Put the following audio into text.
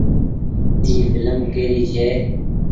اي ڦلم ڪي ري ڇي۔